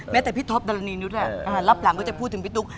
แม้แต่พี่ตุ๊กหุ่นกัน้อยแหละรับหลังก็จะพูดถึงพี่ตุ๊ก